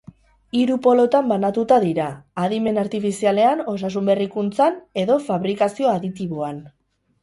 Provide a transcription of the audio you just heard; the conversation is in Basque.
Hiru polotan banatuta dira, adimen artifizialean, osasun berrikuntzan edo fabrikazio aditiboan.